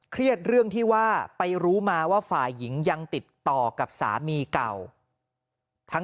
เครียดเรื่องที่ว่าไปรู้มาว่าฝ่ายหญิงยังติดต่อกับสามีเก่าทั้ง